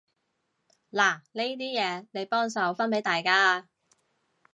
嗱呢啲嘢，你幫手分畀大家啊